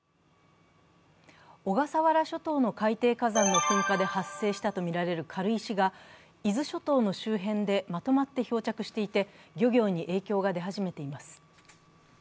小笠原諸島の海底火山の噴火で発生したとみられる軽石が伊豆諸島の周辺でまとまって漂着していて漁業に影響が出始めています。